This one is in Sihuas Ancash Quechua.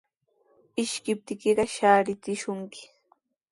Ishkiptiykiqa shaarichishunkimi.